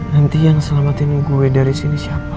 nanti yang selamatin gue dari sini siapa